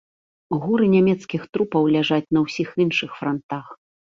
Горы нямецкіх трупаў ляжаць на ўсіх іншых франтах.